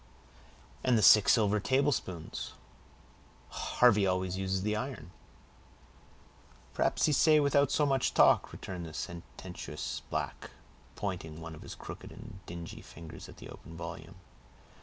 "And the six silver tablespoons; Harvey always uses the iron!" "P'r'ap he say, without so much talk," returned the sententious black, pointing one of his crooked and dingy fingers at the open volume.